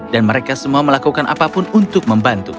mereka semua melakukan apapun untuk membantu